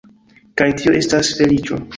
Kaj tio estas feliĉo.